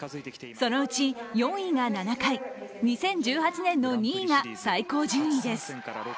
そのうち４位が７回、２０１８年の２位が最高順位です。